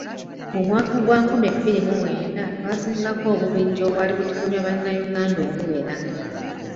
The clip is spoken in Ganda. Mu mwaka gwa nkumi bbiri mu mwenda twazingako obubinja obwali butigomya bannayuganda obuwera.